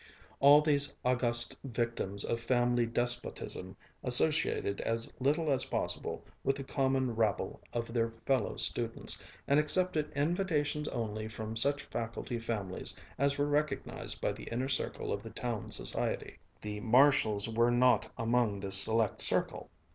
All these august victims of family despotism associated as little as possible with the common rabble of their fellow students, and accepted invitations only from such faculty families as were recognized by the inner circle of the town society. The Marshalls were not among this select circle.